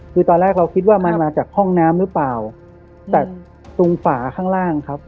คือตอนแรกเราคิดว่ามันมาจากห้องน้ำหรือเปล่าแต่ตรงฝาข้างล่างครับ